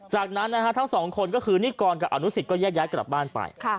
จากนั้นทั้งสองคนก็คือนิกรกับอนุสิตก็แยกย้ายกลับบ้านไป